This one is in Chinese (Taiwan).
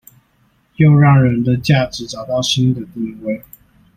又讓人的價值找到新的定位